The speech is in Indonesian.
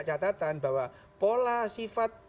catatan bahwa pola sifat